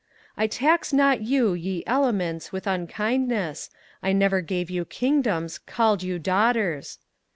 I tax not you, ye Elements, with unkindness, I never gave you kingdoms, call'd you Daughters!